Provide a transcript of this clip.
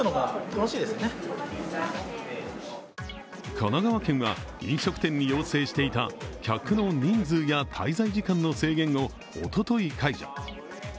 神奈川県は、飲食店に要請していた客の人数や滞在時間の制限をおととい解除。